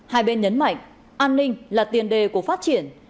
hai bên nhấn mạnh an ninh là tiền đề của phát triển